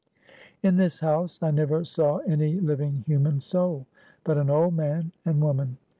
"In this house I never saw any living human soul, but an old man and woman.